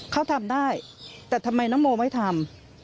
เขาทำได้แต่ทำไมน้องโมไม่ทำ